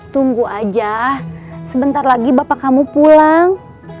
tunggu aja sebentar lagi bapak kamu pulang